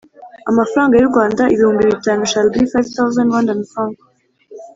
amafaranga y u Rwanda Ibihumbi bitanu shall be five thousand Rwandan francs